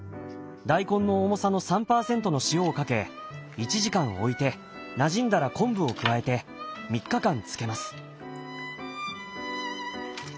大根の重さの３％の塩をかけ１時間おいてなじんだら昆布を加えて３日間漬けます。